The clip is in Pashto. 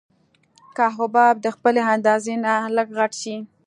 که حباب د خپلې اندازې نه لږ غټ شي.